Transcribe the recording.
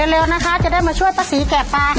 เร็วนะคะจะได้มาช่วยป้าศรีแกะปลาค่ะ